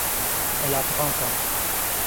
Elle a trente ans.